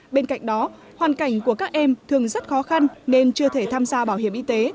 bên cạnh đó hoàn cảnh của các em thường rất khó khăn nên chưa thể tham gia bảo hiểm y tế